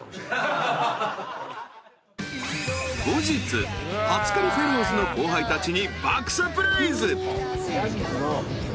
［後日初雁フェローズの後輩たちに爆サプライズ］